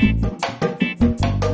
ini satu pantai